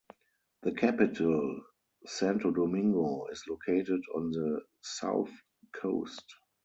The capital, Santo Domingo, is located on the south coast.